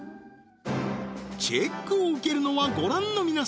チェックを受けるのはご覧の皆様